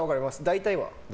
大体は。